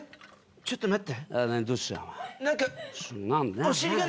ちょっと待って！